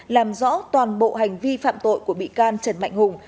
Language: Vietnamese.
làm rõ toàn bộ hành vi phạm tội của bị can trần mạnh hùng